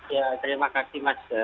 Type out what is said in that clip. ya terima kasih mas